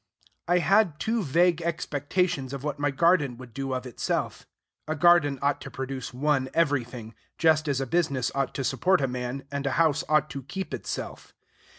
I had too vague expectations of what my garden would do of itself. A garden ought to produce one everything, just as a business ought to support a man, and a house ought to keep itself.